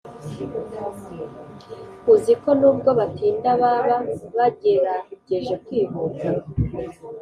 uziko nubwo batinda baba bagerageje kwihuta